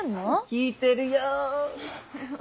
聞いてるよッ！